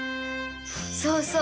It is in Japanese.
そうそう